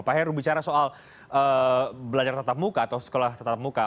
pak heru bicara soal belajar tatap muka atau sekolah tetap muka